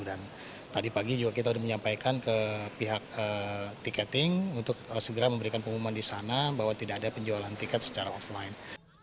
dan tadi pagi juga kita sudah menyampaikan ke pihak tiketing untuk segera memberikan pengumuman di sana bahwa tidak ada penjualan tiket secara offline